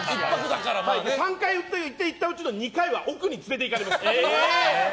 ３回行ったうちの２回は奥に連れていかれました。